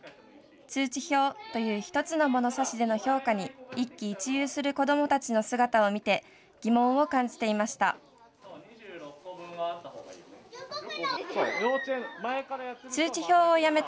通知表という１つのモノサシでの評価に一喜一憂する子どもたちの姿を見て、疑問を感じていました。